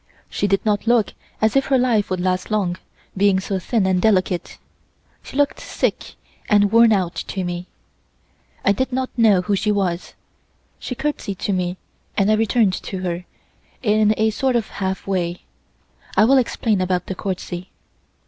She did not look as if her life would last long, being so thin and delicate. She looked sick and worn out to me. I did not know who she was. She courtesied to me and I returned to her, in a sort of half way. (I will explain about the courtesy.)